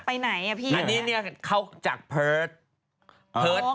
อันนี้เนี่ยเขาจากเฮิร์ธ